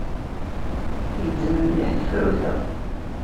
Tgezzem mliḥ tefrut-a.